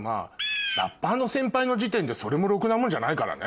ラッパーの先輩の時点でそれもろくなもんじゃないからね。